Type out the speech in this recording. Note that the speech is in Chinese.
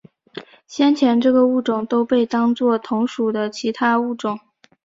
先前这个物种都被当作同属的其他物种。